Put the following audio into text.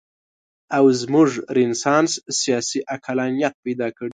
او زموږ رنسانس سیاسي عقلانیت پیدا کړي.